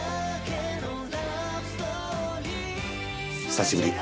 久しぶり。